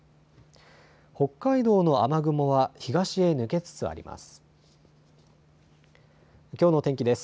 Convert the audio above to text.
北海道の雨雲は東へ抜けつつあります。